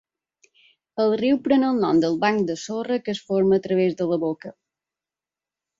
El riu pren el nom del banc de sorra que es forma a través de la boca.